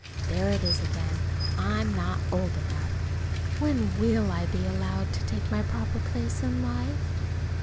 There it is again! I'm not old enough. When will I be allowed to take my proper place in life?